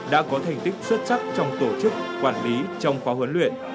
đã có thành tích xuất sắc trong tổ chức quản lý trong khóa huấn luyện